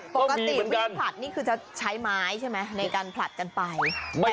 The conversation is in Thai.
ปกติวิ่งผลัดนี่คือจะใช้ไม้ใช่ไหมในการผลัดกันไป